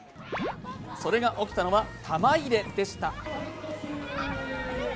それが起きたのは玉入れでした。